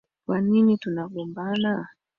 Kwa nini tunagombana?